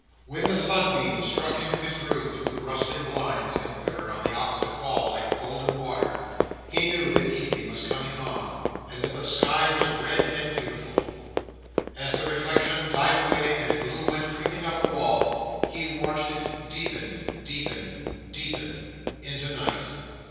When the sunbeams struck into his room through the rustling blinds, and quivered on the opposite wall like golden water, he knew that evening was coming on, and that the sky was red and beautiful. As the reflection died away, and a gloom went creeping up the wall, he watched it deepen, deepen, deepen, into night.